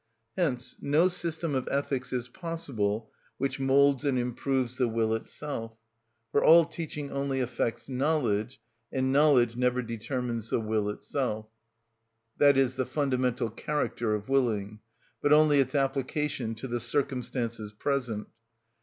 Hence no system of ethics is possible which moulds and improves the will itself. For all teaching only affects knowledge, and knowledge never determines the will itself, i.e., the fundamental character of willing, but only its application to the circumstances present.